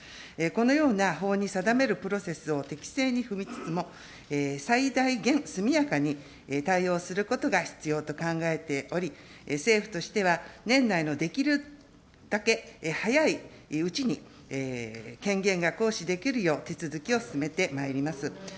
このような法に定めるプロセスを適正に踏みつつも、最大限、速やかに対応することが必要と考えており、政府としては年内のできるだけ早いうちに、権限が行使できるよう、手続きを進めてまいります。